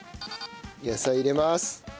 野菜入れます。